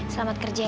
selamat kerja ya kak